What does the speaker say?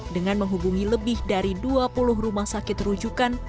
dengan menghubungi lebih dari dua puluh rumah sakit rujukan